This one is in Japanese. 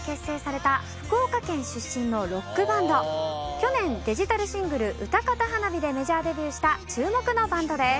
去年デジタルシングル『泡沫花火』でメジャーデビューした注目のバンドです。